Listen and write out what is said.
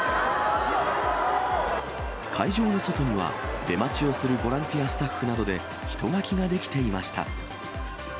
会場の外には、出待ちをするボランティアスタッフなどで人垣が出来ていました。